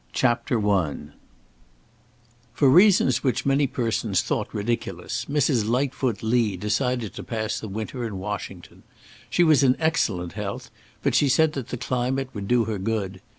Chapter I FOR reasons which many persons thought ridiculous, Mrs. Lightfoot Lee decided to pass the winter in Washington. She was in excellent health, but she said that the climate would do her good.